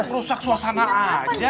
rusak suasana aja